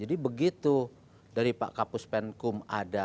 jadi begitu dari pak kapus penkum ada perangkat yang ada di dalam fungsi penyelidikan ini